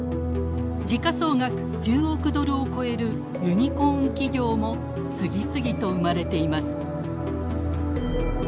時価総額１０億ドルを超えるユニコーン企業も次々と生まれています。